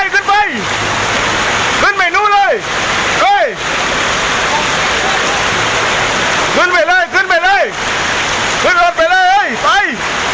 ขึ้นไปขึ้นไปนู่เลยขึ้นไปเลยขึ้นไปเลยขึ้นรถไปเลยเฮ้ยไป